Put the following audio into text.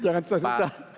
jangan susah susah pak